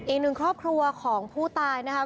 อีกหนึ่งครอบครัวของผู้ตายนะครับ